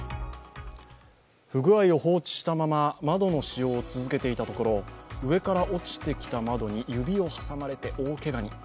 不具合を放置したまま窓の使用を続けていたところ上から落ちてきた窓に指を挟まれて、大けがに。